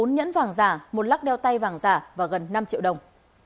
bốn nhẫn vàng giả một lắc đeo tay vàng giả và gần năm triệu đồng